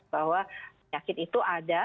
bahwa penyakit itu ada